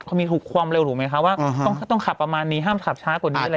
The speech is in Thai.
เขามีถูกความเร็วถูกไหมคะว่าต้องขับประมาณนี้ห้ามขับช้ากว่านี้อะไร